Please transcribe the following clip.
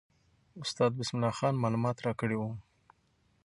استاد بسم الله خان معلومات راکړي وو.